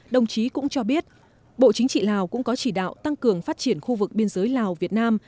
đồng chí cũng cho biết bộ chính trị lào cũng có chỉ đạo tăng cường phát triển khu vực biên giới lào việt nam